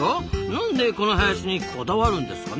なんでこの林にこだわるんですかね？